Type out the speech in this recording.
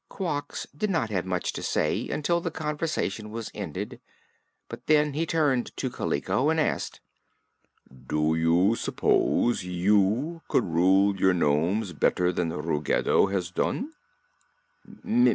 Quox did not have much to say until the conversation was ended, but then he turned to Kaliko and asked: "Do you suppose you could rule your nomes better than Ruggedo has done?"